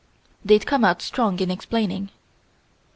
They'd come out strong in explaining.